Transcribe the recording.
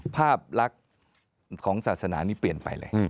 ภาพลักษณ์ของศาสนานี่เปลี่ยนไปเลย